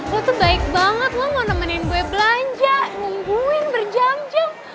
lo tuh baik banget lo mau nemenin gue belanja nungguin berjam jam